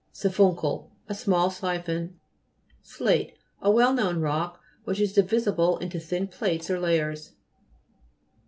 SI'PHUNCLE A small siphon. SLATE A well known rock, which is divisible into thin plates or layers.